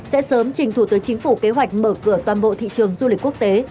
sẽ sớm trình thủ tướng chính phủ kế hoạch mở cửa toàn bộ thị trường du lịch quốc tế